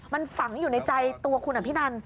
มันฝังอยู่ในใจตัวคุณอภินัน